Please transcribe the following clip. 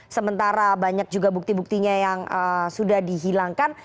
sementara banyak juga bukti buktinya yang sudah dihilangkan